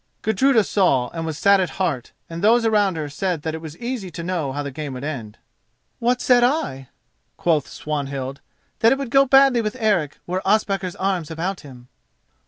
Gudruda saw and was sad at heart, and those around her said that it was easy to know how the game would end. "What said I?" quoth Swanhild, "that it would go badly with Eric were Ospakar's arms about him."